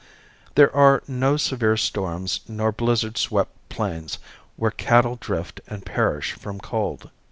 There are no severe storms nor blizzard swept plains where cattle drift and perish from cold.